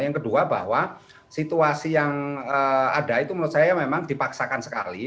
yang kedua bahwa situasi yang ada itu menurut saya memang dipaksakan sekali